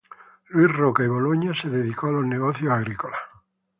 Luis Roca y Boloña se dedicó a los negocios agrícolas.